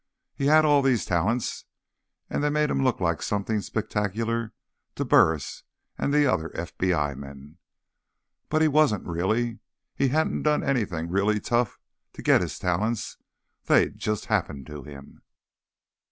He had all these talents and they made him look like something spectacular to Burris and the other FBI men. But he wasn't, really. He hadn't done anything really tough to get his talents; they'd just happened to him.